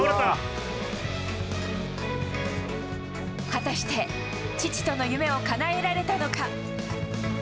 果たして父との夢をかなえられたのか。